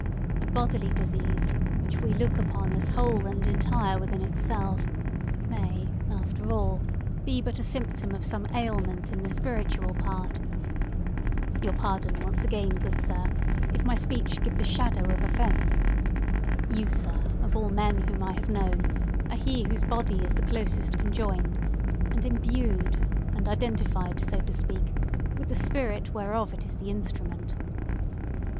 A bodily disease, which we look upon as whole and entire within itself, may, after all, be but a symptom of some ailment in the spiritual part. Your pardon once again, good sir, if my speech give the shadow of offence. You, sir, of all men whom I have known, are he whose body is the closest conjoined, and imbued, and identified, so to speak, with the spirit whereof it is the instrument."